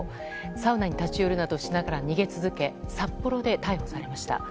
サウナに立ち寄るなどしながら逃げ続け、札幌で逮捕されました。